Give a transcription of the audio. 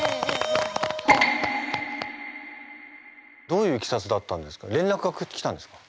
どういういきさつだったんですか？